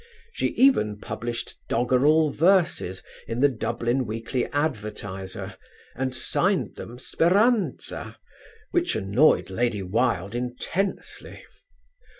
She even published doggerel verses in the Dublin Weekly Advertiser, and signed them "Speranza," which annoyed Lady Wilde intensely.